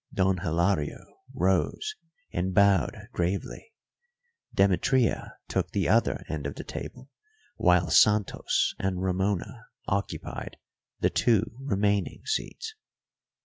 Don Hilario rose and bowed gravely. Demetria took the other end of the table, while Santos and Ramona occupied the two remaining seats.